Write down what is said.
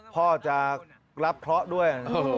พ่อจะรับเคราะห์ด้วย